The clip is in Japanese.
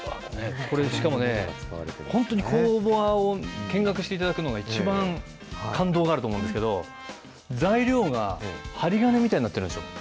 これ、しかもね、本当に工場を見学していただくのが一番感動があると思うんですけど、材料が針金みたいになってるんですよ。